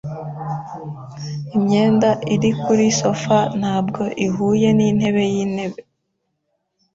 Imyenda iri kuri sofa ntabwo ihuye n'intebe y'intebe.